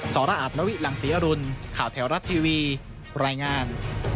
รอัตนวิหลังศรีอรุณข่าวแถวรัฐทีวีรายงาน